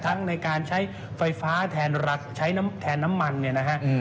ทั้งในการใช้ไฟฟ้าแทนรัดใช้แทนน้ำมันนะครับ